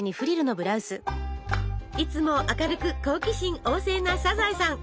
いつも明るく好奇心旺盛なサザエさん！